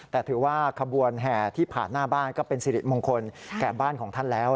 แต่ถือว่าขบวนแห่ที่ผ่านหน้าบ้านก็เป็นสิริมงคลแก่บ้านของท่านแล้ว